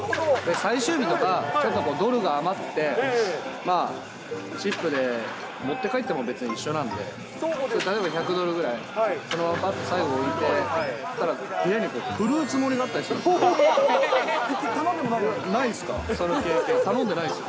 最終日とか、ちょっとドルが余って、まあ、チップで持って帰っても別に一緒なんで、例えば１００ドルぐらい、そのままぱっと最後置いて、そうしたら、部屋にフルーツ盛り頼んでもないのに？